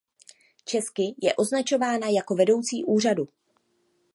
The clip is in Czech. Česky je označovaná jako „vedoucí úřadu“.